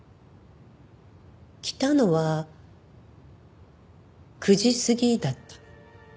来たのは９時過ぎだった。